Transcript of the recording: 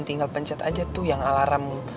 tinggal pencet aja tuh yang alarm